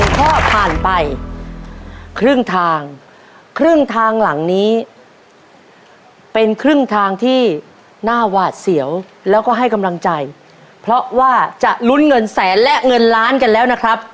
ข้อผ่านไปครึ่งทางครึ่งทางหลังนี้เป็นครึ่งทางที่น่าหวาดเสียวแล้วก็ให้กำลังใจเพราะว่าจะลุ้นเงินแสนและเงินล้านกันแล้วนะครับ